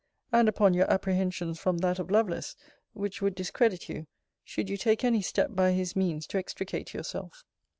] and upon your apprehensions from that of Lovelace, which would discredit you, should you take any step by his means to extricate yourself.